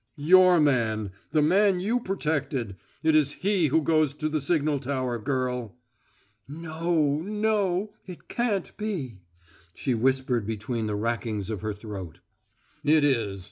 "Your man the man you protected it is he who goes to the signal tower, girl!" "No no; it can't be," she whispered between the rackings of her throat. "It is!